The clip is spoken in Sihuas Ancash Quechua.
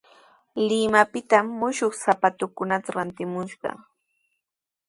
Limatrawmi mushuq sapatukunata rantimushqaa.